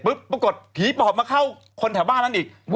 ปรากฏผีปอบมาเข้าคนแถวบ้านนั้นอีก